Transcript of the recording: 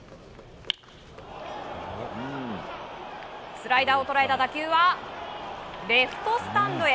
スライダーを捉えた打球はレフトスタンドへ。